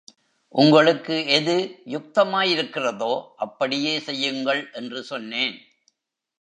உங்களுக்கு எது யுக்தமாயிருக்கிறதோ அப்படியே செய்யுங்கள் என்று சொன்னேன்.